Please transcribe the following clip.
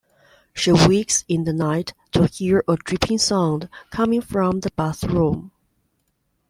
She wakes in the night to hear a dripping sound coming from the bathroom.